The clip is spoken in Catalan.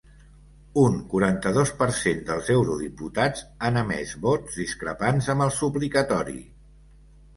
Un quaranta-dos per cent dels eurodiputats han emès vots discrepants amb el suplicatori.